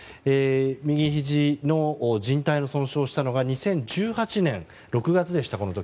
右ひじのじん帯を損傷したのが２０１８年の６月でした。